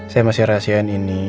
saya masih rahasiakan ini